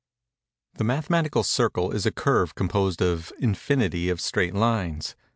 The mathematical circle is a curve composed of an infinity of straight lines.